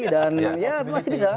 dan ya masih bisa